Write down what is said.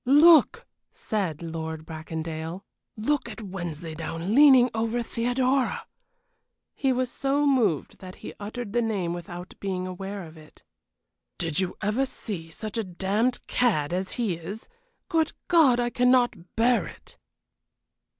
"Look!" said Lord Bracondale. "Look at Wensleydown leaning over Theodora." He was so moved that he uttered the name without being aware of it. "Did you ever see such a damned cad as he is? Good God, I cannot bear it!"